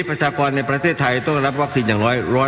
ประชากรในประเทศไทยต้องรับวัคซีนอย่างน้อย